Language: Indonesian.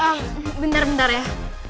ehm bentar bentar ya